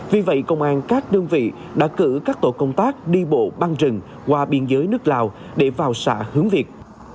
vì vậy công an các đơn vị đã cử các tổ công tác đi bộ băng rừng qua biên giới nước lào để vào xã hướng việt